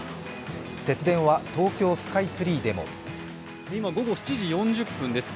節電は東京スカイツリーでも今、午後７時４０分です。